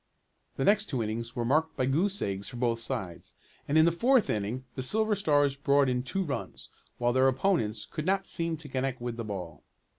The next two innings were marked by goose eggs for both sides, and in the fourth inning the Silver Stars brought in two runs, while their opponents could not seem to connect with the ball.